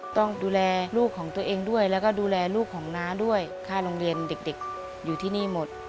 ต้องดูแลลูกของตัวเองด้วยแล้วก็ดูแลลูกของน้าด้วยค่าโรงเรียนเด็กอยู่ที่นี่หมด